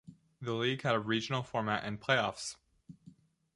The league had a regional format and playoffs.